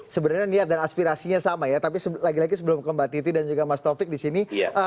sebenarnya niat dan aspirasinya sama ya tapi lagi lagi sebelum ke mbak titi dan juga mas taufik di sini